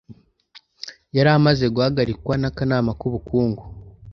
yari amaze guhagarikwa n'akanama k'ubukungu